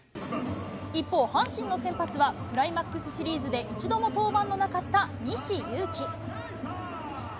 一方、阪神の先発はクライマックスシリーズで一度も登板のなかった西勇輝。